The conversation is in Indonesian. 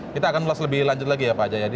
kita akan mulai lebih lanjut lagi ya pak ajayadi